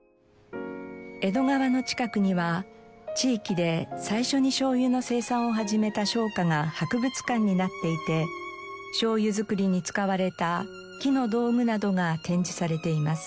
江戸川の近くには地域で最初に醤油の生産を始めた商家が博物館になっていて醤油造りに使われた木の道具などが展示されています。